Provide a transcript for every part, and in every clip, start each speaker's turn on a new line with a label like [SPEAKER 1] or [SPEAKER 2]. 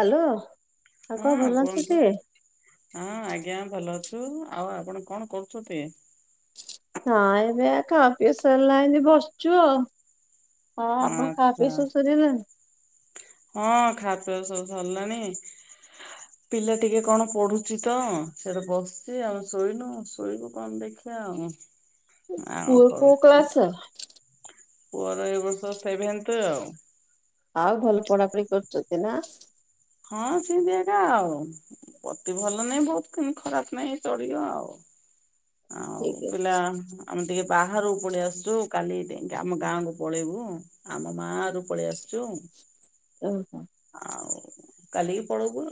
[SPEAKER 1] Hello ଆଉ କଣ
[SPEAKER 2] ହଁ
[SPEAKER 1] ଭଲ ଅଛ
[SPEAKER 2] କୁହନ୍ତୁ
[SPEAKER 1] ସେ?
[SPEAKER 2] ହଁ ଆଜ୍ଞା ଭଲ ଅଛୁ ଆଉ ଆପଣ କଣ କରୁଚନ୍ତି?
[SPEAKER 1] ହଁ ଏବେ ଖାଆ ପିଅ ସରିଲା ଏମିତି ବସିଛୁ ଆଉ। ହଁ ଆପଣ
[SPEAKER 2] ଆଚ୍ଛା
[SPEAKER 1] ଖାପିଅ ସବୁ ସରିଗଲାଣି?
[SPEAKER 2] ହଁ ଖା ପିଅ ସବୁ ସରିଲାଣି
[SPEAKER 1] କୌଣସି ଅଡିଓ ଶୁଭୁନାହିଁ
[SPEAKER 2] ପିଲା ଟିକେ କଣ ପଢୁଚି ତ ସେଟା ବସିଛି ଆଉ ଶୋଇନୁ ଶୋଇବୁ କଣ ଦେଖିବା ଆଉ ଆଉ
[SPEAKER 1] ପୁଅ
[SPEAKER 2] କଣ
[SPEAKER 1] କଉ
[SPEAKER 2] କୁହନ୍ତୁ
[SPEAKER 1] କ୍ଲାସ?
[SPEAKER 2] ପୁଅର ଏ ବର୍ଷ ସେଭେନ୍ତ ଆଉ
[SPEAKER 1] ଆଉ ଭଲ ପଢ଼ାପଢି କରୁଛନ୍ତି ନା?
[SPEAKER 2] ହଁ ସିନ୍ତି ଏକା ଆଉ ଅତି ଭଲ ନାହିଁ ବହୁତି ଖରାପ ନାହିଁ ଚଳିବ ଆଉ। ଆଉ
[SPEAKER 1] ଠିକ ଅଛି
[SPEAKER 2] ପିଲା ଆମେ ଟିକେ ବାହାରକୁ ପଳେଇଆସିଚୁ କାଲି ଆମ ଗାଁକୁୁ ପଳେଇବୁ। ଆମ ମା ଘର କୁ ପଳେଇ ଆସିଚୁ
[SPEAKER 1] ଓହ
[SPEAKER 2] ଆଉ କାଲିକି ପଳଉବୁ।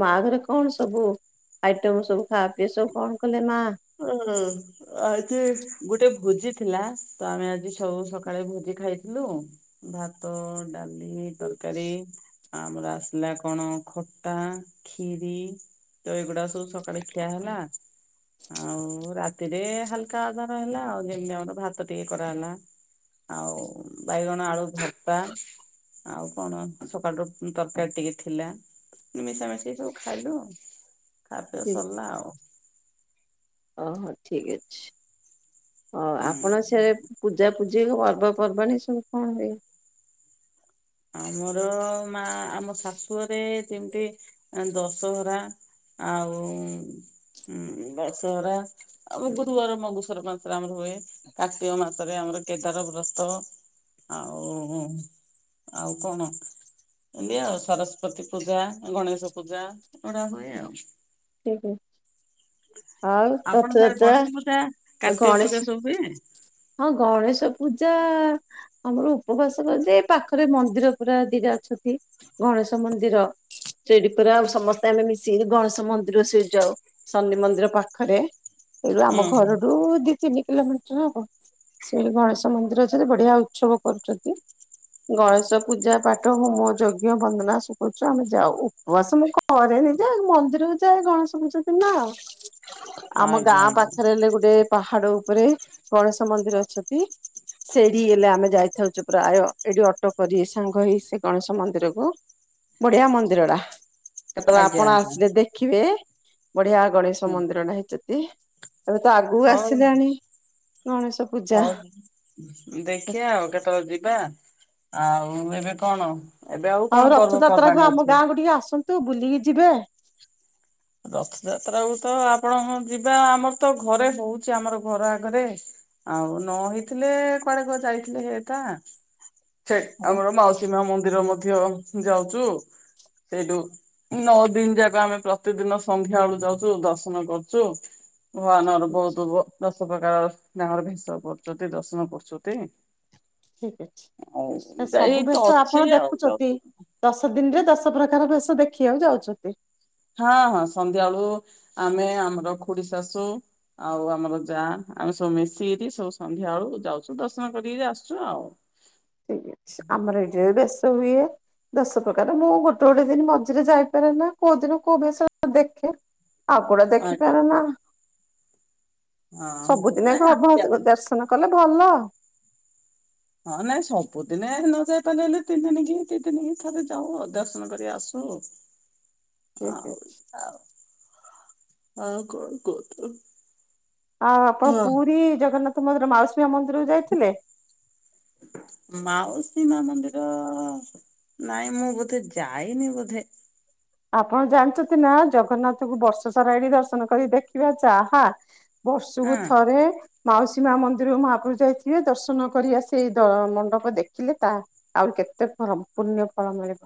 [SPEAKER 1] ମା ଘରେ କଣ ସବୁ ଆଇଟମ ସବୁ ଖାପିଅ ସବୁ କଣ କଲେ ମା?
[SPEAKER 2] ହଁ ଆଜି ଗୋଟେ ଭୋଜି ଥିଲା ତ ଆମେ ଆଜି ସବୁ ସକାଳେ ଭୋଜି ଖାଇଥିଲୁ। ଭାତ, ଡାଲି, ତରକାରୀ, ଆମର ଆସିଲା କଣ ଖଟା, କ୍ଷୀରି, ଏଇଗୁଡା ସବୁ ସକାଳେ ଖିଆ ହେଲା। ଆଉ ରାତିରେ ହାଲକା ଆଧାର ହେଲା ଆଉ ଯେମିତି ଆମର ଭାତ ଟିକେ କରାହେଲା ଆଉ ବାଇଗଣ ଆଳୁଭର୍ତା ଆଉ କଣ ସକାଳୁ ରୁ ତରକାରୀ ଟିକେ ଥିଲା ମିଶାମିଶି ସବୁ ଖାଇଲୁ ଖାପିଅ ସରିଲା ଆଉ।
[SPEAKER 1] ଓହୋ ଠିକ୍ ଅଛି ଓଃ
[SPEAKER 2] ହୁଁ।
[SPEAKER 1] ଆପଣ ସେ ପୂଜାପୂଜି, ପର୍ବପର୍ବାଣି ସବୁ କଣ ହୁଏ?
[SPEAKER 2] ଆମର ମା ଆମ ଶାଶୁରେ ଯେମିତି ଦଶହରା ଆଉ ଉଁ ଦଶହରା ଆଉ ବ ବହୁତ ଗର ମଘୁସର ମାସରେ ଆମର ହୁଏ କାର୍ତ୍ତିକ ମାସରେ ଆମର କେଦାର ବ୍ରତ। ଆଉ ଉଁ ଆଉ କଣ? ଏମତି ଆଉ ସରସ୍ଵତୀ ପୂଜା, ଗଣେଶ ପୂଜା ଏଗୁଡା ହୁଏ ଆଉ।
[SPEAKER 1] କିଏ। [unintelligible] ଆଉ
[SPEAKER 2] ଆପଣ ସାର୍ ଗଣେଶ ପୂଜା
[SPEAKER 1] ରଥଯାତ୍ରା
[SPEAKER 2] କାର୍ତ୍ତିକ ପୂଜା
[SPEAKER 1] ଗଣେଶ
[SPEAKER 2] ସବୁ ହୁଏ
[SPEAKER 1] ହଁ ଗଣେଶ ପୂଜା ଆମର ଉପବାସ କ ଯେ ପାଖରେ ମନ୍ଦିର ପୁରା ଦିଟା ଅଛନ୍ତି। ଗଣେଶ ମନ୍ଦିର ସେଠି ପୁରା ଆଉ ସମସ୍ତେ ଆମେ ମିଶିକି ଗଣେଶ ମନ୍ଦି ରୋସେ ଯାଉ ଶନି ମନ୍ଦିର ପାଖରେ ଏଉ
[SPEAKER 2] ଉଁ
[SPEAKER 1] ଆମ
[SPEAKER 2] ହୁଁ
[SPEAKER 1] ଘରଠୁ ଦି ଦି କିଲୋମିଟର ହବ ସେ ଗଣେଶ ମନ୍ଦିର ଯଦି ବଢିଆ ଉତ୍ସବ କରୁଛନ୍ତି। ଗଣେଶ ପୂଜା ପାଠ ହୋମ ଯଜ୍ଞ ବନ୍ଦନାଶ କରୁଛୁ ଆମେ ଯାଉ ଉପବାସ ମୁ କ କରେ ନିଯେ ମନ୍ଦିର ବି ଜା ଗଣେଶ ପୂଜ ଦିନ ଆମ
[SPEAKER 2] ଆଜ୍ଞା
[SPEAKER 1] ଗାଁ
[SPEAKER 2] ଆଜ୍ଞା।
[SPEAKER 1] ପାଖରେ ହେଲେ ଗୋଟେ ପାହାଡ ଉପରେ ଗଣେଶ ମନ୍ଦିର ଅଛନ୍ତି। ସେଠି ହେଲେ ଆମେ ଯାଇଥାଉଛୁ ପ୍ରାୟ ଏଠି ଅଟୋ କରି ସାଙ୍ଗ ହେଇ ସେ ଗଣେଶ ମନ୍ଦିର କୁ। ବଢିଆ ମନ୍ଦିର ଟା। କେତେବେଳେ
[SPEAKER 2] ଆଜ୍ଞା
[SPEAKER 1] ଆପଣ
[SPEAKER 2] ଆଜ୍ଞା
[SPEAKER 1] ଆସିଲେ ଦେଖିବେ ବଢିଆ ଗଣେଶ ମନ୍ଦିରଟ ହେଇଚନ୍ତି। ଏବେ ତ ଆଗକୁ
[SPEAKER 2] ହଉ
[SPEAKER 1] ଆସିଲାଣି ଗଣେଶ ପୂଜା।
[SPEAKER 2] ହଉ ଦେଖିବା ଆଉ କେତେବେଳେ ଯିବା, ଆଉ ଏବେ କଣ? ଏବେ କଣ
[SPEAKER 1] ଆଉ ରଥଯାତ୍ରା
[SPEAKER 2] ପର୍ବପର୍ବାଣୀ
[SPEAKER 1] କୁ ଆମ
[SPEAKER 2] ଅଛି?
[SPEAKER 1] ଗାଁକୁୁ ଟିକେ ଆସନ୍ତୁ ବୁଲିକି ଯିବେ।
[SPEAKER 2] ରଥଯାତ୍ରାକୁ ତ ଆପଣ ଯିବା ଆମର ତ ଘରେ ହଉଛି ଆମର ଘର ଆଗରେ ଆଉ ନ ହେଇଥିଲେ କୁଆଡେ କ ଯାଇଥିଲେ ହେଟା ସେ
[SPEAKER 1] ହଉ
[SPEAKER 2] ଆମର ମାଉସୀ ମା ମନ୍ଦିର ମଧ୍ୟ ଯାଉଛୁ ସେଇଠୁ ନଅ ଦିନ ଯାକ ଆମେ ପ୍ର ପ୍ରତିଦିନ ସନ୍ଧ୍ୟା ବେଳୁ ଯାଉଛୁ ଦର୍ଶନ କରୁଛୁ, ଭଗବାନର ବହୁତ ଦଶ ପ୍ରକାର ଗାଁ ର ଭେଷ କରୁଛନ୍ତି, ଦର୍ଶନ କରୁଛନ୍ତି।
[SPEAKER 1] ଠିକ ଅଛି
[SPEAKER 2] ଆଉ
[SPEAKER 1] ଏ
[SPEAKER 2] ଏଇ
[SPEAKER 1] ସବୁ
[SPEAKER 2] ତ
[SPEAKER 1] ବେଶ
[SPEAKER 2] ଅଛି
[SPEAKER 1] ଆପଣ
[SPEAKER 2] ଆଉ ଯାଉ
[SPEAKER 1] ଦେଖୁଛନ୍ତି। ଦଶ ଦିନରେ ଦଶ ପ୍ରକାର ଭେଶ ଦେଖିବାକୁ ଯାଉଛନ୍ତି।
[SPEAKER 2] ହଁ ହଁ ସନ୍ଧ୍ୟାବେଳୁ ଆମେ ଆମର ଖୁଡି ଶାଶୁ ଆଉ ଆମର ଯା ଆମେ ସବୁ ମିଶିକିରି ସବୁ ସନ୍ଧ୍ୟା ବେଳୁ ଯାଉଛୁ ଦର୍ଶନ କରିକିରି ଆସୁଛୁ ଆଉ।
[SPEAKER 1] ଠିକ ଅଛି ଆମର ଏଇଠ ବି ବେଶ ହୁଏ। ଦଶ ପ୍ରକାର ମୁଁ ଗୋଟେ ଗୋଟେ ଦିନ ମଝିରେ ଯାଇପାରେ ନା କୋଉ ଦିନ କୋଉ ଭେସ ଦେଖେ। ଆଉକୁଡା ଦେଖି
[SPEAKER 2] ଆଜ୍ଞା।
[SPEAKER 1] ପାର ନା।
[SPEAKER 2] ହଁ
[SPEAKER 1] ସବୁଦିନେ
[SPEAKER 2] ନାଇଁ
[SPEAKER 1] ଘ
[SPEAKER 2] ଆମେ ଯାଉ
[SPEAKER 1] ଦର୍ଶନ କଲେ ଭଲ।
[SPEAKER 2] ହଁ ନାଇଁ ସବୁଦିନେ ନ ଯାଇ ପଲେ ତିନି ଦିନ କି ଦି ଦିନ କି ଥରେ ଯାଉ ଦର୍ଶନ କରି ଆସୁ। ଆଉ
[SPEAKER 1] [unintelligible]
[SPEAKER 2] ଆଉ ଆଉ କଣ କହୁତୁଲୁ?
[SPEAKER 1] ଆଉ ଆପଣ ପୁରୀ ଜଗନ୍ନାଥ ମନ୍ଦିର ମାଉସ ମା ମନ୍ଦିର ଯାଇଥିଲେ?
[SPEAKER 2] ମାଉସୀ ମା ମନ୍ଦିର ନାଇଁ ମୁଁ ବୋଧେ ଯାଇନି ବୋଧେ।
[SPEAKER 1] ଆପଣ ଜାଣିଛନ୍ତି ନା ଜଗନ୍ନାଥଙ୍କୁ ବର୍ଷ ସାରା ଏଣ ଦର୍ଶନ କରି ଦେଖିବା ଯାହା ବର୍ଷକୁ
[SPEAKER 2] ହଁ।
[SPEAKER 1] ଥରେ। ମାଉସୀ ମା ମନ୍ଦିରରୁ ମହାପ୍ରଭ ଯାଇଥିବେ ଦର୍ଶନ କରିବା ସେ ମଣ୍ଡପ ଦେଖିଲେ ତାହା। ଆହୁରି କେତେ ଫର ପୂର୍ଣ୍ଣ୍ୟ ଫଳ ମିଳିବ।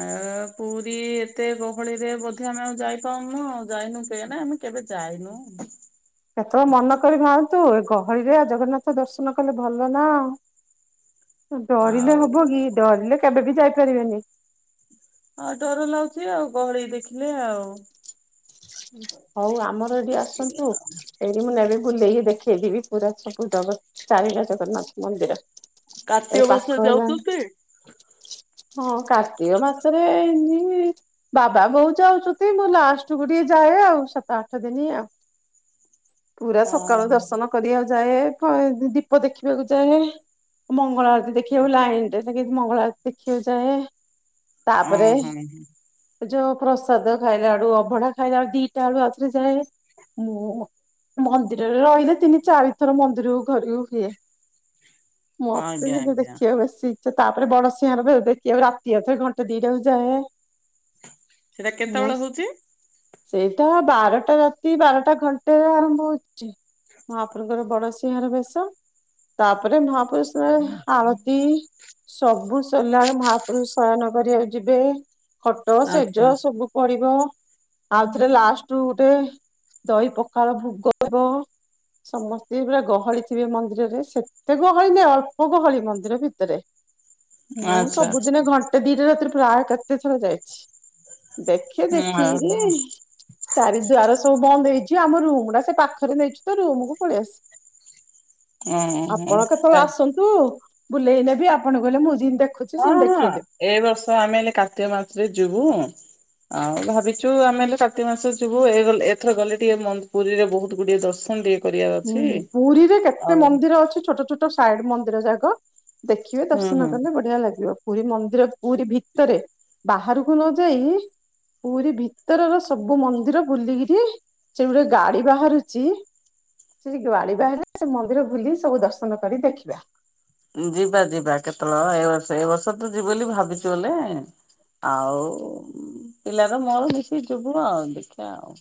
[SPEAKER 2] ଆ ପୁରୀ ଏତେ ଗହଳିରେବୋଧେ ଆମେ ଆଉ ଯାଇପଉନୁ ଯାଇନୁ ସେ ଆମେ? କେବେ ଯାଇନୁ?
[SPEAKER 1] କେତେବେଳେ ମନ କରି ଭାରନ୍ତୁ, ଏ ଗହଳିରେ ଆ, ଜଗନ୍ନାଥ ଦର୍ଶନ କଲେ ଭଲ ନା। ଅ, ଡରିଲେ
[SPEAKER 2] ଆଉ
[SPEAKER 1] ହବ କି? ଡରିଲେ କେବେ ବି ଯାଇପାରିବାନି।
[SPEAKER 2] ହଁ ଡର ଲାଗୁଛି ଆଉ, ଗହଳି ଦେଖିଲେ ଆଉ।
[SPEAKER 1] ହଉ ଆମର ଏଠି ଆସନ୍ତୁ। ଏଇଠି ମୁଁ ନେବି ବୁଲେଇକି ଦେଖେଇ ଦେବି ପୁରା ସବୁ ଜଗ ଚାରିଟା ଜଗନ୍ନାଥ ମନ୍ଦିର।
[SPEAKER 2] କାର୍ତ୍ତିକ
[SPEAKER 1] ଏଠି
[SPEAKER 2] ମାସରେ
[SPEAKER 1] ପାଖ ନା।
[SPEAKER 2] ଯାଉଛନ୍ତି?
[SPEAKER 1] ହଁ କାର୍ତ୍ତିକ ମାସରେ ଏମତି ବାବା ବୋଉ ଯାଉଚନ୍ତି, ମୁଁ ଲାଷ୍ଟ କୁ ଟିକେ ଯାଏ ଆଉ ସାତ ଆଠ ଦିନି ଆ, ପୁରା ସକାଳୁ
[SPEAKER 2] ଓହୋ
[SPEAKER 1] ଦର୍ଶନ କରିଆ ଯାଏ। କଏ ଦୀ-ଦୀପ ଦେଖିବାକୁ ଯାଏ। ମଙ୍ଗଳ ଆଳତି ଦେଖିବାକୁ ଲାଇନ ରେ [unintelligible] ମଙ୍ଗଳ ଆଳତି ଦେଖିବାକୁ ଯାଏ। ତାପରେ
[SPEAKER 2] ଓହୋ
[SPEAKER 1] ଯୋଉ ପ୍ରସାଦ ଖାଇଲା ବେଳୁ, ଅଭଡା ଖାଇଲା ବେଳୁ ଦିଟା ବେଳୁ ଆଉଥରେ ଯାଏ। ମୁଁ ମନ୍ଦିରରେ ରହିଲେ ତିନି ଚାରିଥର ମନ୍ଦିରକୁ ଘରୁକୁ ହୁଏ। ମୋତେ
[SPEAKER 2] ଆଜ୍ଞା
[SPEAKER 1] ବି ତ
[SPEAKER 2] ଆଜ୍ଞା
[SPEAKER 1] ଦେଖିବା ବେଶୀ ସେ ତାପରେ ବଡସିିଂହାର ବେ-ଦେଖି ରାତି ଅଧରେ ଘଣ୍ଟେ ଦିଟାକୁ ଯାଏ।
[SPEAKER 2] ସେଇଟା କେତେବେଳେ ହଉଚି?
[SPEAKER 1] ସେଇଠା ବାରଟା ରାତି ବାରଟା ଘଣ୍ଟେରେ ଆରମ୍ଭ ହଉଛି ମହାପ୍ରଭୁଙ୍କର ଙ୍କର ବଡସିଂ ସିଂହର ବେଶ, ତାପରେ ମହାପୁରୁଷର ଆଳତୀ ସବୁ ସଲାବେଳେ ମହାପ୍ରଭୁ ଶୟନ କରିବାକୁ ଯିବେ। ଖଟ ସେଜ
[SPEAKER 2] ଆଚ୍ଛା
[SPEAKER 1] ସବୁ ପଡିବ। ଆଉ ଥରେ ଲାଷ୍ଟ କୁ ଗୋଟେ ଦହି ପଖାଳ ଭୁଗ ହେବ। ସମସ୍ତେ ପୁରା ଗହଳି ଥିବେ ମନ୍ଦିରରେ। ସେ ତେ ଗହଳି ନ ଅଳ୍ପ ଗହଳି ମନ୍ଦିର ଭିତରେ। ମୁଁ
[SPEAKER 2] ଆଚ୍ଛା
[SPEAKER 1] ସବୁଦିନ ଘଣ୍ ଟେ ଦିଟ ରାତିରେ ପ୍ରାୟ କେତେ ଥର ଯାଇଛି ଦେଖ
[SPEAKER 2] ଉଁ, ହେ, ହଁ।
[SPEAKER 1] ଚାରିଦୁଆର ସବୁ ବନ୍ଦ ହେଇଛି। ଆମ ରୁମ୍ ଟା ସେ ପାଖରେ ନେଇଛୁ ତ ରୁମ୍ କୁୁ ପଳେଇ ଆସି।
[SPEAKER 2] ହଁ ହଁ
[SPEAKER 1] ଆପଣ କେତେବେଳେ ଆସନ୍ ତୁ ବୁଲେଇ ନେବି ଆପଣ କହିଲେ ମୁଁ ଯିନ୍ ତେ
[SPEAKER 2] ହଁ, ହଁ ଏଇ ବର୍ଷ ଆମେ ହେଲେ କାର୍ତ୍ତିକ ମାସରେ ଯିବୁଁ। ଆଉ ଭାବିଛୁ ଆମେ ହେଲେ କାର୍ତ୍ତିକ ମାସ ଯିବୁ। ଏ ଗଲ ଏଥର ଗଲେ ଟିକେ ମନ୍ ପୁରୀରେ ବହୁତ ଗୁଡିଏ ଦର୍ଶନ ଟିକେ କରିବାର
[SPEAKER 1] ଉଁ,
[SPEAKER 2] ଅଛି।
[SPEAKER 1] ହୁଁ, ପୁରୀରେ କେତେ
[SPEAKER 2] ଆଉ
[SPEAKER 1] ମନ୍ଦିର ଅଛି ଛୋଟ ଛୋଟ ସାଇଡ୍ ମନ୍ଦିର ଯାକ। ଦେଖିବେ
[SPEAKER 2] ହୁଁ
[SPEAKER 1] ଦର୍ଶନ
[SPEAKER 2] ହୁଁ
[SPEAKER 1] କଲେ ବଢିଆ ଲାଗିବ। ପୁରୀ ମନ୍ଦିର ପୁରୀ ଭିତରେ ବାହାରକୁ ନ ଯାଇ ପୁରୀ ଭିତର ର ସବୁ ମନ୍ଦିର ବୁଲିକିରି ସେ ଗୁଟେ ଗାଡି ବାହାରୁଚି। ସେଠି ଗାଡି ବାହାରିଲେ ସେ ମନ୍ଦିର ବୁଲି ସବୁ ଦର୍ଶନ କରି ଦେଖିବା।
[SPEAKER 2] ଯିବା ଯିବା କେତେବେଳ ଏ ବର୍ଷ ଏ ବର୍ଷ ତ ଯିବୁ ବୋଲି ଭାବିଚୁ ବଲେ। ଆଉ ପିଲାର ମୋର ମିଶିକି ଯିବୁ ଆଉ ଦେଖିଆ ଆଉ।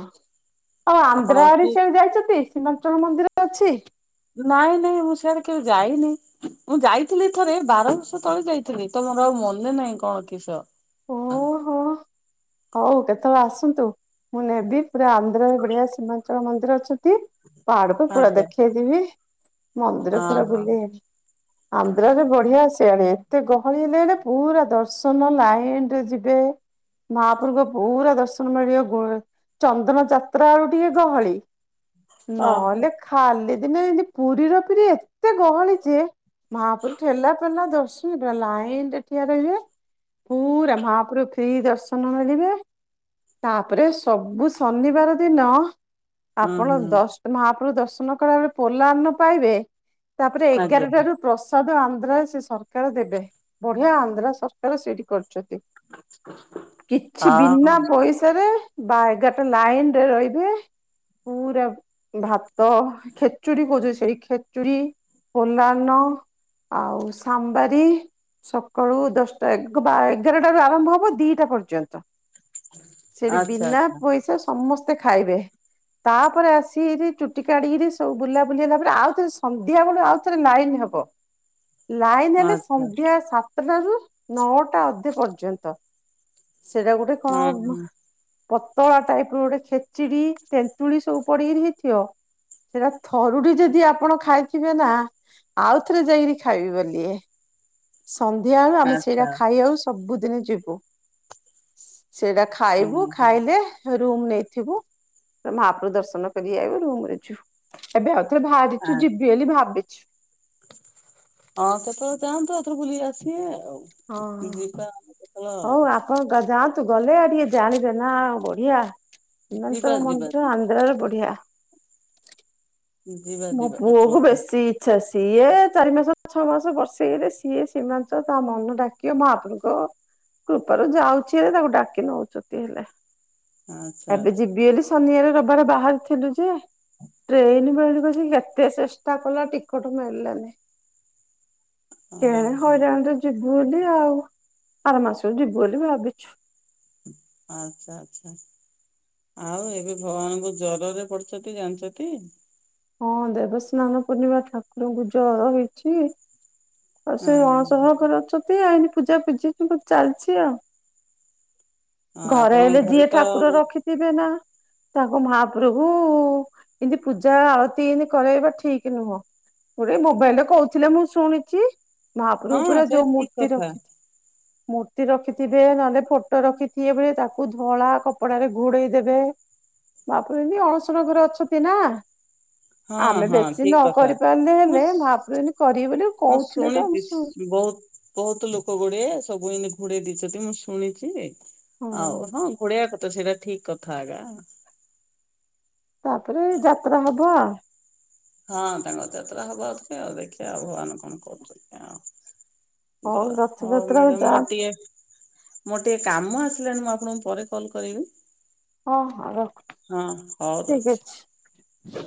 [SPEAKER 1] ଆଉ
[SPEAKER 2] ଆପଣ
[SPEAKER 1] ଆନ୍ଧ୍ର ଆଡେ
[SPEAKER 2] କି
[SPEAKER 1] ସିଆଡେ ଯାଇଛନ୍ତି? ସୀମାଞ୍ଚଳ ମନ୍ଦିର ଅଛି।
[SPEAKER 2] ନାଇଁ ନାଇଁ ମୁଁ ସିଆଡେ କେବେ ଯାଇନି। ମୁଁ ଯାଇଥିଲି ଥରେ ବାର ବର୍ଷ ତଳେ ଯାଇଥିଲି। ତ ମୋର ଆଉ ମନେ ନାହିଁ କଣ କିସ? ଆଉ।
[SPEAKER 1] ଓହୋ। ହଉ କେତେବେଳେ ଆସନ୍ତୁ ମୁଁ ନେବି ପୁରା ଆନ୍ଧ୍ରରେ ବଢିଆ ସୀମାଞ୍ଚଳ ମନ୍ଦିର ଅଛନ୍ତି। ପାହାଡକୁ ପୁରା
[SPEAKER 2] ଆଜ୍ଞା
[SPEAKER 1] ଦେଖେଇ ଦେବି।
[SPEAKER 2] ହଁ
[SPEAKER 1] ମନ୍ଦିର ପୁରା
[SPEAKER 2] ହଁ
[SPEAKER 1] ବୁଲେଇ ଆଣି ଆନ୍ଧ୍ର ରେ ବଢିଆ ସିଆଡେ ଏତେ ଗହଳି ହେଲେ ହେଲେ ପୁରା ଦର୍ଶନ ଲାଇନ୍ ରେ ଯିବେ। ମହାପୁରଙ୍କୁ ପୁରା ଦର୍ଶନ ମିଳିବ ଗଳେ। ଚନ୍ଦନ ଯାତ୍ରା ବେଳୁ ଟିକେ ଗହଳି।
[SPEAKER 2] ଓହୋ
[SPEAKER 1] ନହେଲେ ଖାଲି ଦିନେ ଏମତି ପୁରୀର ପିରି ଏତେ ଗହଳି ଯେ ମହାପୁରୁ ଠେଲା ପେଲା ଦର୍ଶ ପୁରା ଲାଇନ୍ ରେ ଠିଆ ରହିବେ। ପୁରା ମହାପୁରୁ ଫି ଦର୍ଶ ନ ମାଗିବେ। ତାପରେ ସବୁ ଶନିବାର ଦିନ
[SPEAKER 2] ହୁଁ
[SPEAKER 1] ଆପଣ
[SPEAKER 2] ହୁଁ
[SPEAKER 1] ଦଶ ମହାପ୍ରଭୁ ଦର୍ଶନ କଲା ବଳେ ପୋଲା ଅର୍ଣ୍ଣ ପାଇବେ। ତାପରେ
[SPEAKER 2] ଆଜ୍ଞା
[SPEAKER 1] ଏଗାରଟାରୁ ପ୍ରସାଦ ଆନ୍ଧ୍ରା ସେ ସରକାର ଦେବେ ବଢିଆ ଆନ୍ଧ୍ରା ସରକାର ସେଇଠି କରିଛନ୍ତି। କିଛି
[SPEAKER 2] ହଁ
[SPEAKER 1] ବିନା
[SPEAKER 2] ହଁ
[SPEAKER 1] ପଇସାରେ ବାଇଗାଟା ଲାଇନ ରେ ରହିବେ ପୁରା ଭାତ ଖେଚୁଡି ଖୋଜୁ ସେ ଖେଚୁଡ଼ି ପୋଲାନ୍ନ ଆଉ ସାମ୍ବାରି ସକାଳୁ ଦଶଟା ବା ଏଗାରଟାରୁ ଆରମ୍ଭ ହବ ଦି ଟା ପର୍ଯ୍ୟନ୍ତ ସେଠି
[SPEAKER 2] ଆଚ୍ଛା
[SPEAKER 1] ବିନା
[SPEAKER 2] ଆଚ୍ଛା
[SPEAKER 1] ପଇସା ସମସ୍ତେ ଖାଇବେ। ତାପରେ ଆସିକିରି ଚୁଟି କାଢିକିରି ସବୁ ବୁଲା ବୁଲିଲା ପରେ ଆଉ ଥରେ ସନ୍ଧ୍ୟା ବେଳ ଆଉ ଥରେ ଲାଇନ ହବ। ଲାଇନ ହେଲେ
[SPEAKER 2] ଆଚ୍ଛା।
[SPEAKER 1] ସନ୍ଧ୍ୟା ସାତଟାରୁ ନଅଟା ଅଧେ ପର୍ଯ୍ୟନ୍ତ ସେଇଟା ଗୋଟେ କଣ
[SPEAKER 2] ହୁଁ ହୁଁ
[SPEAKER 1] ପତଳା ଟାଇପ ର ଗୋଟେ ଖେଚିଡି ତେନ୍ତୁଳି ସବୁ ପଡିକିରି ହେଇଥିବ। ସେଇଟା ଥରୁଟେ ଯଦି ଆପଣ ଖାଇଥିବେ ନା ଆଉଥରେ ଯାଇକିରି ଖାଇବି ବେଲିଏ। ସନ୍ଧ୍ୟା ବେଳୁ ଆମେ ସେଇରା
[SPEAKER 2] ଆଚ୍ଛା
[SPEAKER 1] ଖାଇ ଆକୁ ସବୁଦିନି ଯିବୁ। ସେଇଟା ଖାଇବୁ
[SPEAKER 2] ହୁଁ ହୁଁ
[SPEAKER 1] ଖାଇଲେ ରୁମ ନେଇଥିବୁୁ ମହାପ୍ରଭୁ ଦର୍ଶନ କରି ଆଇବୁ ରୁମ ରେ ଯୁ ଏବେ ଆଉଥରେ
[SPEAKER 2] ଆ
[SPEAKER 1] ବାହାରିଛୁ ଯିବି ବୋଲି ଭାବିଚି
[SPEAKER 2] ହଁ କେତେବେଳେ ଯାଆନ୍ତୁ ଆଉ ଥରେ ବୁଲିକି ଆସିବେ ଆଉ,
[SPEAKER 1] ହଁ
[SPEAKER 2] ଯିବା କେତେବେଳେ ଆଉ
[SPEAKER 1] ହଉ ଆପଣ ଗ ଯାଆନ୍ତୁ ଗଲେ ଆଉ ଟିକେ ଜାଣିବେ ନା ବଢିଆ
[SPEAKER 2] ଯିବା
[SPEAKER 1] ହିମାଚଳ
[SPEAKER 2] ଯିବା
[SPEAKER 1] ମନ୍ଦିର
[SPEAKER 2] ଯିବା
[SPEAKER 1] ଆନ୍ଧ୍ରାରେ ବଢିଆ।
[SPEAKER 2] ଯିବା
[SPEAKER 1] ମୋ
[SPEAKER 2] ଯିବା
[SPEAKER 1] ପୁଅକୁୁ
[SPEAKER 2] କେତେବେଳେ ଯାଇକି
[SPEAKER 1] ବେଶି ଇଚ୍ଛା ସିଏ ଚାରି ମାସ ଛଅ ମାସ ବର୍ଷେ କେରେ ସିଏ ସୀମାଞ୍ଚ ତା ମନ ଡାକିବ ମାହାପୁରୁ ଙ୍କ କୃପାରୁ ଯାଉଛି ହେ ତାକୁ ଡାକି ନଉଛନ୍ତି ହେଲେ
[SPEAKER 2] ଆଚ୍ଛା
[SPEAKER 1] ଏବେ
[SPEAKER 2] ଆଚ୍ଛା
[SPEAKER 1] ଯିବି ବୋଲି ଶନିିବାରେ ରିବିବାରେ ବାହାରିଥିଲୁ ଯେ ଟ୍ରେନ୍ ବେଳକୁ କେତେ ଚେଷ୍ଟା କଲା ଟିକଟ ମିଳିଲାନି କେ
[SPEAKER 2] ଓହୋ
[SPEAKER 1] ହଇରାଣରେ ଯିବୁ ବୋଲି ଆଉ ଆର ମାସକୁ ଯିବୁ ବୋଲି ଭାବିଛୁ।
[SPEAKER 2] ଆଚ୍ଛା ଆଚ୍ଛା। ଆଉ ଏବେ ଭଗବାନଙ୍କୁ ଜରରେ ପଡିଛନ୍ତି ଜାଣିଛ ଟି।
[SPEAKER 1] ହଁ ଦେବସ୍ନାନ ପୂର୍ଣ୍ଣିମା ଠାକୁରଙ୍କୁ ଜର ହେଇଛି ଆଉ ସେ
[SPEAKER 2] ହଁ
[SPEAKER 1] ଅଣସର ଘରେ ଅଛତି ଏଇନେ ପୂଜା ପୂଜି କିନ୍ତୁ ଚାଲିଛି ଆଉ।
[SPEAKER 2] ଆଉ
[SPEAKER 1] ଘରେ ହେଲେ
[SPEAKER 2] ଆପଣଙ୍କ
[SPEAKER 1] ଯିଏ
[SPEAKER 2] ତ
[SPEAKER 1] ଠାକୁର ରଖିଥିବେ ନା ତାଙ୍କ ମହାପ୍ରଭୁ ଏମତି ପୂଜା ଆଳତୀ ଏମତି କରାଇବା ଠିକ ନୁହଁ। ମୋର ଏଇ ମୋବାଇଲରେ କହୁଥିଲେ ମୁଁ ଶୁଣିଛି
[SPEAKER 2] ହଁ
[SPEAKER 1] ମହାପ୍ରଭୁ ପୁରା
[SPEAKER 2] ସେ
[SPEAKER 1] ଯୋଉ
[SPEAKER 2] ଠିକ
[SPEAKER 1] ମୂର୍ତ୍ତି
[SPEAKER 2] କଥା
[SPEAKER 1] ରଖି ମୂର୍ତ୍ତି ରଖିଥିବେ ନହେଲେ ଫୋଟୋ ରଖିଥିବେ ତାକୁ ଧଳା କପଡରେ ଘୋଡେଇ ଦେବେ। ମହାପ୍ରଭୁ ଏଇନେ ଅଣସର ଘରେ ଅଛନ୍ତି ନା।
[SPEAKER 2] ହଁ
[SPEAKER 1] ଆମେ
[SPEAKER 2] ହଁ
[SPEAKER 1] ବେଶୀ ନ
[SPEAKER 2] ଠିକ କଥା
[SPEAKER 1] କରି ପାରିଲେ
[SPEAKER 2] ମୁଁ
[SPEAKER 1] ହେଲେ ମହାପ୍ରଭ୍ରୁ କରିବି ବୋଲି
[SPEAKER 2] ମୁଁ
[SPEAKER 1] କହୁଥିଲେ ତ ଆମେ
[SPEAKER 2] ଶୁଣିତିସ
[SPEAKER 1] ଶୁ
[SPEAKER 2] ବହୁତ ବହୁତ ଲୋକ ଗୁଡେ ସବୁ ଏମତି ଘୋଡେଇ ଦେଇଛନ୍ତି ମୁଁ ଶୁଣିଛି ଯେ ଆଉ ହଁ ଘୋଡେଇଆ କଥା ସେଇଟା ଠିକ କଥା ଆଗା।
[SPEAKER 1] ତାପରେ ଯାତ୍ରା ହବ।
[SPEAKER 2] ହଁ ତାଙ୍କ ଯାତ୍ରା ହବ ଆଉଥରେ ଦେଖିବା ଆଉ ଭଗବାନ କଣ କରୁଛନ୍ତି ଆଉ। ଜ ହଉ
[SPEAKER 1] ରଥଯାତ୍ରା
[SPEAKER 2] ମ୍ୟାଡ଼ମ ମୋ
[SPEAKER 1] ଯାଆ
[SPEAKER 2] ଟିଏ ମୋର ଟିକେ କାମ ଆସିଲାଣି ମୁଁ ଆପଣଙ୍କୁ ପରେ କଲ୍ କରିବି।
[SPEAKER 1] ହଁ ହଁ ରଖ
[SPEAKER 2] ହଁ ହଉ ରହୁଛି।
[SPEAKER 1] ଠିକ ଅଛି।